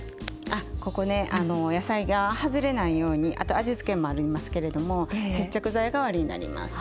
あっここねあの野菜が外れないようにあと味つけもありますけれども接着剤代わりになります。